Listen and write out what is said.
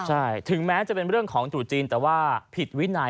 ใช่ถึงแม้จะเป็นเรื่องของจุดจีนแต่ว่าผิดวินัย